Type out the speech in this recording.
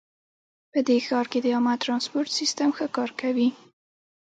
په دې ښار کې د عامه ترانسپورټ سیسټم ښه کار کوي